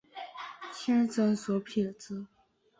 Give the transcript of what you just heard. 天生左撇子。